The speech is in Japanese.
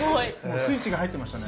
スイッチが入ってましたね。